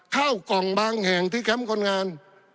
เข้ากล่องบางแห่งที่แคมป์คนงาน